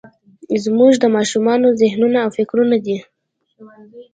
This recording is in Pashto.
زموږ د ماشومانو ذهنونه او فکرونه دي.